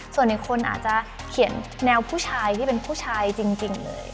ส่วนอีกคนอาจจะเขียนแนวผู้ชายที่เป็นผู้ชายจริงเลย